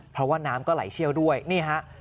เพราะว่าน้ำก็ไหลเชี่ยวด้วยนี่ฮะ